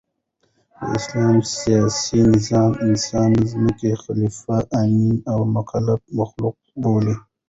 د اسلام سیاسي نظام انسان د مځکي خلیفه، امین او مکلف مخلوق بولي.